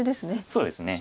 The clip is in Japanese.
そうですね。